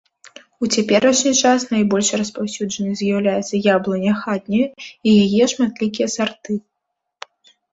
У цяперашні час найбольш распаўсюджанай з'яўляецца яблыня хатняя і яе шматлікія сарты.